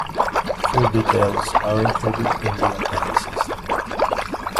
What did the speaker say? Full details are included in the appendices.